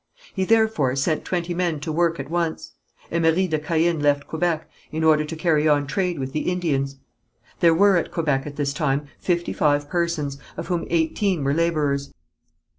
He, therefore, set twenty men to work at once. Emery de Caën left Quebec in order to carry on trade with the Indians. There were at Quebec at this time fifty five persons, of whom eighteen were labourers.